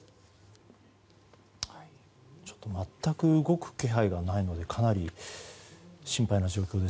ちょっと全く動く気配がないのでかなり心配な状況です。